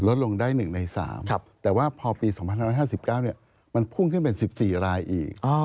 ลดลงได้๑ใน๓แต่ว่าพอปี๒๕๕๙มันพุ่งขึ้นเป็น๑๔รายอีก